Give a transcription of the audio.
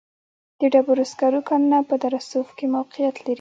د ډبرو سکرو کانونه په دره صوف کې موقعیت لري.